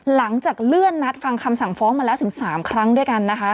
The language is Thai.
หลังจากเลื่อนนัดฟังคำสั่งฟ้องมาแล้วถึง๓ครั้งด้วยกันนะคะ